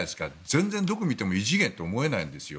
全然、どこを見ても異次元と思えないんですよ。